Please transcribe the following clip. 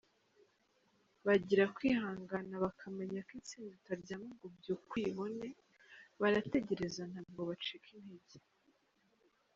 Bagira kwihangana bakamenya ko intsinzi utaryama ngo ubyuke uyibone, barategereza ntabwo bacika intege.